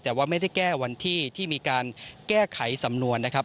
แต่ว่าไม่ได้แก้วันที่ที่มีการแก้ไขสำนวนนะครับ